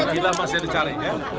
gila masih dicari